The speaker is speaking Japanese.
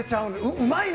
うまいね！